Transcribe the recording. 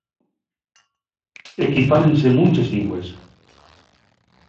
Equí fálense munches llingües.